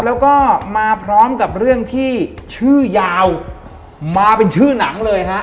แล้วก็มาพร้อมกับเรื่องที่ชื่อยาวมาเป็นชื่อหนังเลยฮะ